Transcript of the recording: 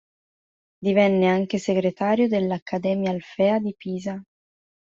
Divenne anche segretario dell'Accademia Alfea di Pisa.